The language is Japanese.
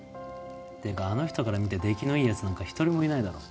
っていうかあの人から見て出来のいい奴なんか一人もいないだろ。